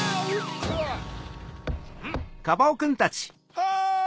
はい！